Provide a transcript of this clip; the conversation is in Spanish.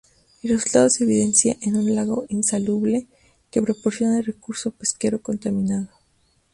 El resultado se evidencia en un lago insalubre, que proporciona recurso pesquero contaminado.